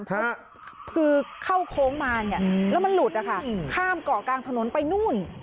คือเข้าโค้งมาเนี่ยแล้วมันหลุดนะคะข้ามเกาะกลางถนนไปนู่น